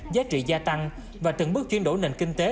giá trị gia tăng và từng bước chuyển đổi nền kinh tế